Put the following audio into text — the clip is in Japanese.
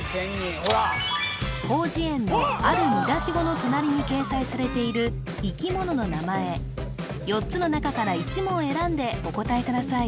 広辞苑のある見出し語の隣に掲載されている生き物の名前４つの中から１問選んでお答えください